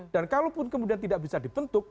dan kalaupun kemudian tidak bisa dibentuk